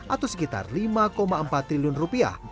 atau sekitar lima empat triliun rupiah